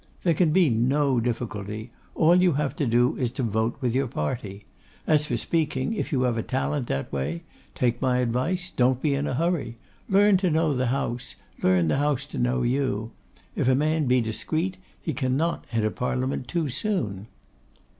There can be no difficulty. All you have got to do is to vote with your party. As for speaking, if you have a talent that way, take my advice; don't be in a hurry. Learn to know the House; learn the House to know you. If a man be discreet, he cannot enter Parliament too soon.